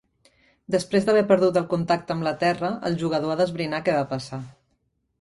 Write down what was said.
Després d'haver perdut el contacte amb la Terra, el jugador ha d'esbrinar què va passar.